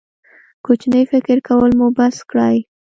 کوچنی فکر کول مو بس کړئ.